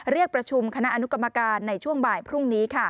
เรียกประชุมคณะอนุกรรมการในช่วงบ่ายพรุ่งนี้